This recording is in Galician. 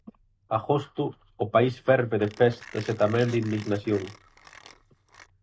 Agosto, o país ferve de festas e tamén de indignación.